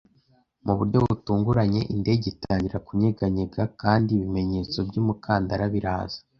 Mu buryo butunguranye, indege itangira kunyeganyega kandi ibimenyetso by'umukandara biraza.